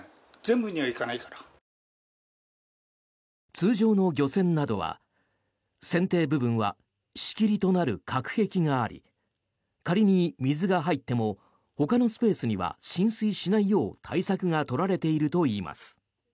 通常の漁船などは船底部分は仕切りとなる隔壁があり仮に水が入ってもほかのスペースには浸水しないよう対策が取られているといいます。